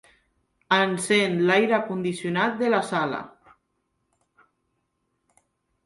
Encén l'aire condicionat de la sala.